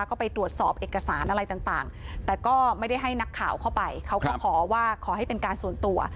ก็ไปตรวจสอบเอกสารอะไรต่างแต่ก็ไม่ได้ให้นักข่าวเข้าไปเขาก็ขอว่าขอให้เป็นการส่วนตัว